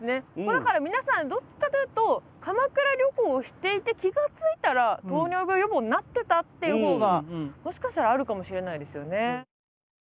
だから皆さんどっちかというと鎌倉旅行をしていて気がついたら糖尿病予防になってたっていう方がもしかしたらあるかもしれないですよね。